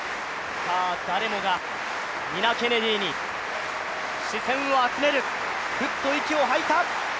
誰もがニナ・ケネディに視線を集める、ふっと息を吐いた。